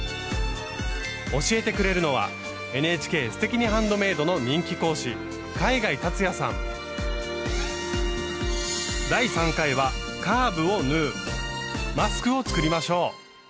教えてくれるのはＮＨＫ「すてきにハンドメイド」の人気講師マスクを作りましょう。